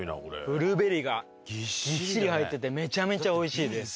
ブルーベリーがぎっしり入っててめちゃめちゃ美味しいです。